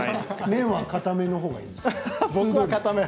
麺はかための方がいいですか？